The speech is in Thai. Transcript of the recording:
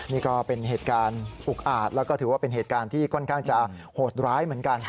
นี่ก็เป็นเหตุการณ์อุกอาจแล้วก็ถือว่าเป็นเหตุการณ์ที่ค่อนข้างจะโหดร้ายเหมือนกัน